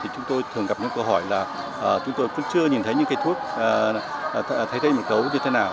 chúng tôi thường gặp những câu hỏi là chúng tôi cũng chưa nhìn thấy những cây thuốc thay thế mất gấu như thế nào